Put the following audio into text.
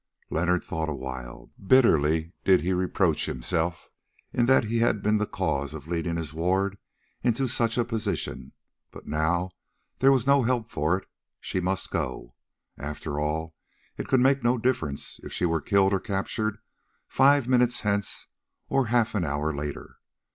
Leonard thought awhile. Bitterly did he reproach himself in that he had been the cause of leading his ward into such a position. But now there was no help for it—she must go. And after all it could make no difference if she were killed or captured five minutes hence or half an hour later.